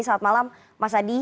selamat malam mas adi